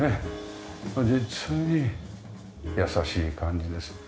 実に優しい感じです。